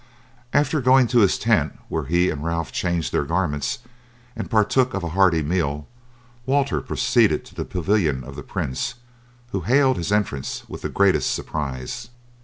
After going to his tent, where he and Ralph changed their garments and partook of a hearty meal, Walter proceeded to the pavilion of the prince, who hailed his entrance with the greatest surprise.